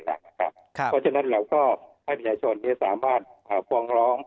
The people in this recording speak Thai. เพราะฉะนั้นเราก็ให้ประชาชนสามารถฟ้องร้อง